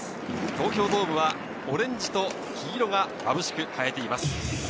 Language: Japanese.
東京ドームはオレンジと黄色がまぶしくはえています。